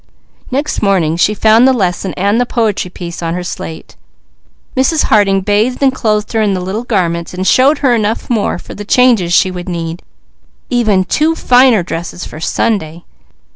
Next morning she found the lesson and the poetry on her slate. Mrs. Harding bathed and clothed her in the little garments, and showed her enough more for the changes she would need, even two finer dresses for Sunday.